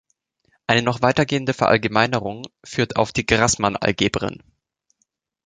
Eine noch weitergehende Verallgemeinerung führt auf die Graßmann-Algebren.